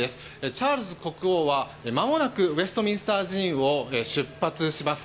チャールズ国王はまもなくウェストミンスター寺院を出発します。